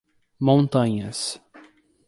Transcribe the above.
Montanhas